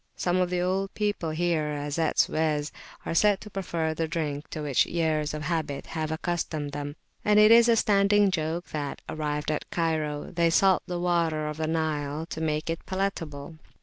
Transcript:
Some of the old people here, as at Suez, are said to prefer the drink to which [p.228] years of habit have accustomed them, and it is a standing joke that, arrived at Cairo, they salt the water of the Nile to make it palatable.